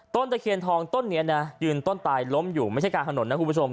ตะเคียนทองต้นนี้นะยืนต้นตายล้มอยู่ไม่ใช่กลางถนนนะคุณผู้ชม